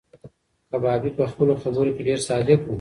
کبابي په خپلو خبرو کې ډېر صادق و.